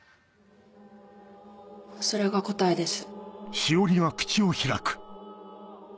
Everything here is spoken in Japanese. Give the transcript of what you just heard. ・それが答えです。